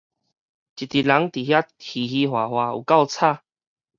一陣人佇遐嘻嘻嘩嘩，有夠吵！